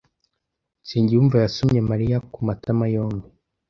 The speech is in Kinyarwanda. Nsengiyumva yasomye Mariya ku matama yombi.